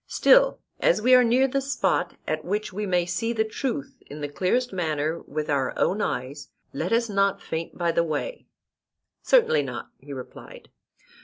Still, as we are near the spot at which we may see the truth in the clearest manner with our own eyes, let us not faint by the way. Certainly not, he replied.